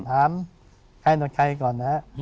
ถามใครต่อใครก่อนนะฮะ